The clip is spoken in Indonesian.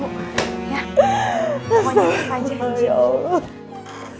pokoknya jangan marah aja ibu